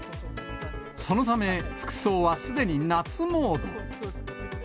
そのため、服装はすでに夏モード。